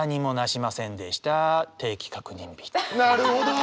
なるほど！